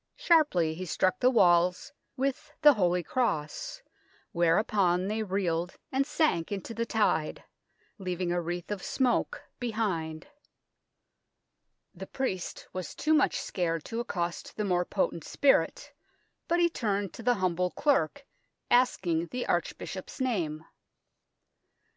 " Sharply he struck the walls with the holy cross, whereupon they reeled and sank into the tide, leaving a wreath of smoke behind. The priest was too much scared to accost the more potent spirit, but he turned to the humble clerk, asking the archbishop's name.